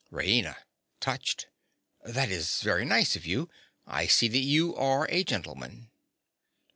RAINA. (touched). That is very nice of you. I see that you are a gentleman.